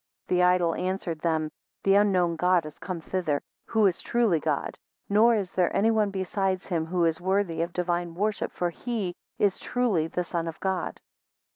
11 The idol answered them, The unknown God is come thither, who is truly God; nor is there any one besides him, who is worthy of divine worship for he is truly the Son of God.